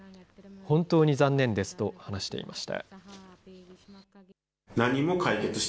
本当に残念ですと話していました。